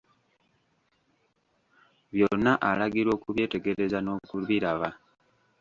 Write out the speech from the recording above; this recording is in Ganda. Byonna alagirwa okubyetegereza n'okubiraba.